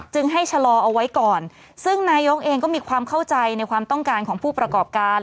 ให้ชะลอเอาไว้ก่อนซึ่งนายกเองก็มีความเข้าใจในความต้องการของผู้ประกอบการ